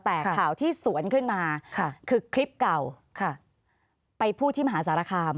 แต่ข่าวที่สวนขึ้นมาคือคลิปเก่าไปพูดที่มหาสารคาม